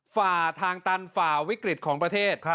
ฝ่าทางตันฝ่าวิกฤตของประเทศ